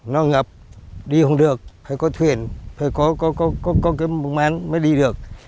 nó ngập đi không được phải có thuyền phải có cái bụng án mới đi được